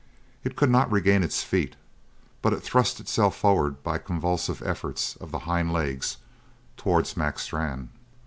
It could not regain its feet, but it thrust itself forward by convulsive efforts of the hind legs towards Mac Strann.